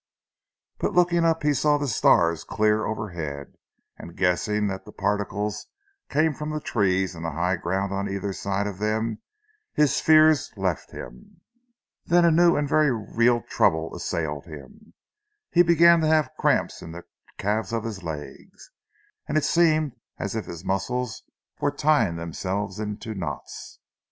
But looking up he saw the stars clear overhead, and guessing that the particles came from the trees and the high ground on either side of them, his fears left him. Then a new and very real trouble assailed him. He began to have cramps in the calves of his legs, and it seemed as if his muscles were tying themselves into knots.